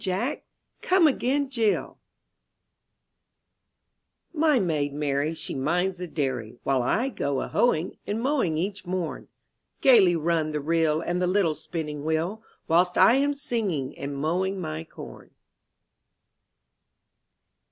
Jack! Come again, Jill ! TV/TY maid Mary she minds the dairy, 1t± While I go a hoeing and mowing each morn ;. Gaily run the reel and the little spinning wheel, Whilst I am singing and mowing my corn.